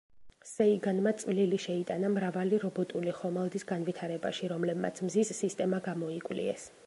სეიგანმა წვლილი შეიტანა მრავალი რობოტული ხომალდის განვითარებაში, რომლებმაც მზის სისტემა გამოიკვლიეს.